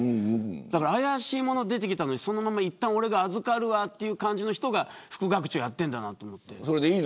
怪しいものが出てきたのにいったん預かるという感じの人が副学長やってるんだなと思って。